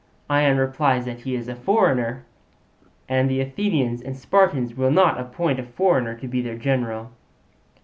Ion replies that he is a foreigner, and the Athenians and Spartans will not appoint a foreigner to be their general.